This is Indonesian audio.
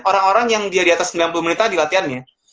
orang orang yang dia di atas sembilan puluh menit tadi latihannya